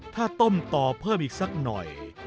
ถ้าต้มต่อเพิ่มอีกสักหน่อย